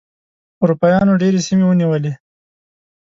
اروپایانو ډېرې سیمې ونیولې.